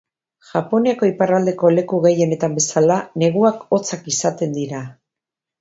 Japoniako iparraldeko leku gehienetan bezala, neguak hotzak izaten dira.